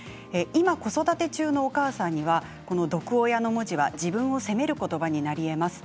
今、子育て中のお母さんにはこの毒親の文字は自分を責める言葉になり得ます。